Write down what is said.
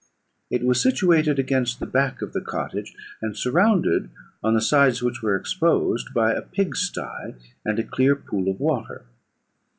It was situated against the back of the cottage, and surrounded on the sides which were exposed by a pig sty and a clear pool of water.